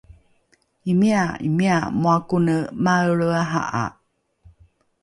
imia imia moa kone maelre aha’a